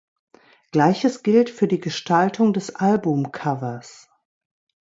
Gleiches gilt für die Gestaltung des Albumcovers.